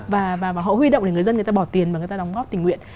và họ huy động để người dân người ta bỏ tiền và người ta đóng góp tình nguyện